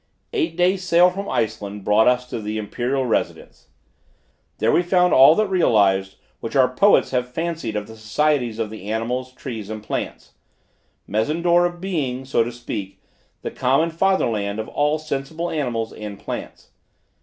Eight days sail from Iceland brought us to the imperial residence. There we found all that realized, which our poets have fancied of the societies of animals, trees and plants; Mezendora being, so to speak, the common father land of all sensible animals and plants.